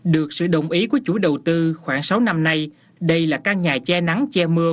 được sự đồng ý của chủ đầu tư khoảng sáu năm nay đây là căn nhà che nắng che mưa